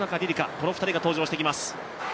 この２人が登場していきます。